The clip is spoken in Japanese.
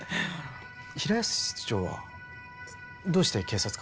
平安室長はどうして警察官に？